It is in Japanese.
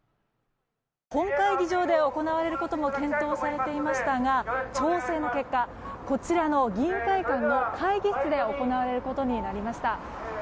本会議場で行われることも検討されていましたが調整の結果こちらの議員会館の会議室で行われることになりました。